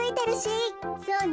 そうね。